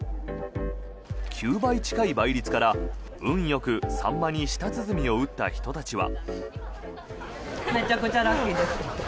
９倍近い倍率から運よくサンマに舌鼓を打った人たちは。